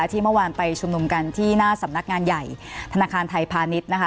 ที่เมื่อวานไปชุมนุมกันที่หน้าสำนักงานใหญ่ธนาคารไทยพาณิชย์นะคะ